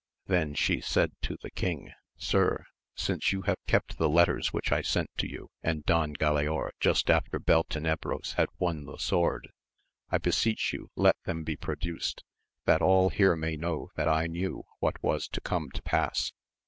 Then she said to the king. Sir, since you have kept the letters which I sent to you and Don Galaor just after Beltenebros had won the (sword, I beseech you let them be produced, that all here may know that I knew what was to come to pass.